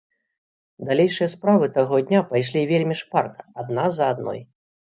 Далейшыя справы таго дня пайшлі вельмі шпарка, адна за адной.